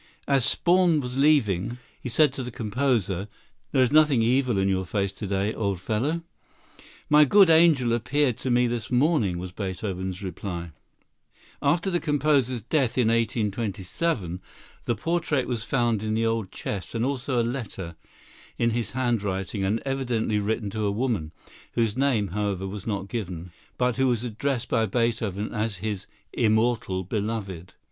As Spaun was leaving, he said to the composer, "There is nothing evil in your face to day, old fellow." "My good angel appeared to me this morning," was Beethoven's reply. [Illustration: Ludwig van Beethoven] After the composer's death, in 1827, the portrait was found in the old chest, and also a letter, in his handwriting and evidently written to a woman, whose name, however, was not given, but who was addressed by Beethoven as his "Immortal Beloved."